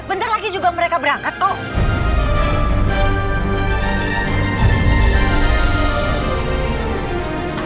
bentar lagi juga mereka berangkat kok